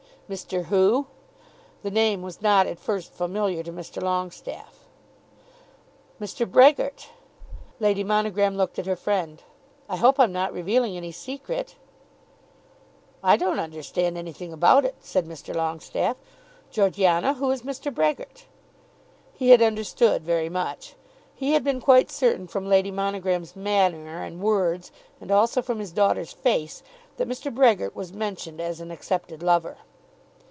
"Mr. who?" The name was not at first familiar to Mr. Longestaffe. "Mr. Brehgert." Lady Monogram looked at her friend. "I hope I'm not revealing any secret." "I don't understand anything about it," said Mr. Longestaffe. "Georgiana, who is Mr. Brehgert?" He had understood very much. He had been quite certain from Lady Monogram's manner and words, and also from his daughter's face, that Mr. Brehgert was mentioned as an accepted lover.